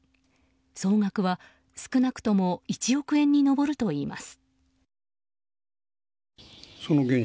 総額は少なくとも１億円に上るといいます。